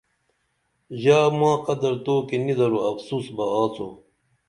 ژا ما قدر تو کی نی درو افسوس بہ آڅو